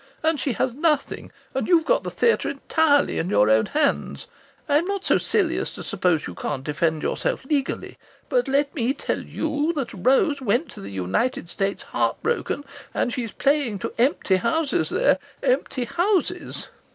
And she has nothing, and you've got the theatre entirely in your own hands. I'm not so silly as to suppose that you can't defend yourself legally. But let me tell you that Rose went to the United States heart broken, and she's playing to empty houses there empty houses!